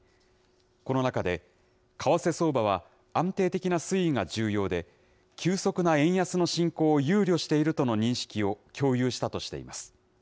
この中で、為替相場は安定的な推移が重要で、急速な円安の進行を憂慮しているとの認識を共有したとしています。